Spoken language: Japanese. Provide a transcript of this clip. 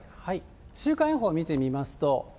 週間予報見てみますと。